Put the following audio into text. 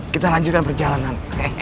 kita lanjutkan perjalanan